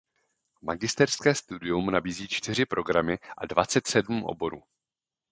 Magisterské studium nabízí čtyři programy a dvacet sedm oborů.